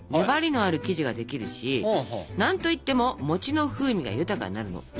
粘りのある生地ができるし何といっても餅の風味が豊かになるの。